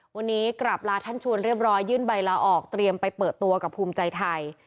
วันนี้กลับลาท่านชวนเรียบร้อยยื่นใบลาออกเตรียมไปเปิดตัวกับภูมิใจไทย